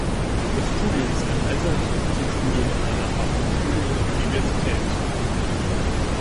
Das Studium ist eine Alternative zum Studium an einer Fachhochschule oder Universität.